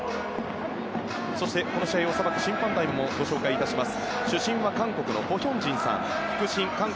そしてこの試合をさばく審判団もご紹介します。